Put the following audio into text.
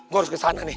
gue harus ke sana nih